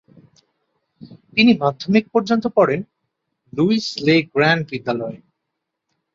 তিনি মাধ্যমিক পর্যন্ত পড়েন লুইস-লে-গ্র্যান্ড বিদ্যালয়ে।